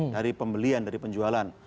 dari pembelian dari penjualan